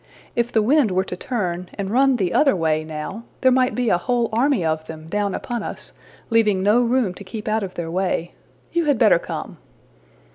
If the wind were to turn, and run the other way now, there might be a whole army of them down upon us, leaving no room to keep out of their way. You had better come.''